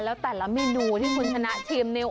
แล้วแต่ละเมนูที่คุณชนะชิมเนี่ย